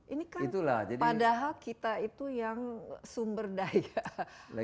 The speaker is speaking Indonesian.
ini kan padahal kita itu yang sumber daya